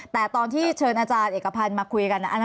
แต่ตอนที่เชิญอาจารย์เอกพันธ์มาคุยกัน